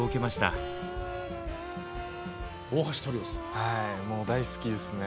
はいもう大好きですね。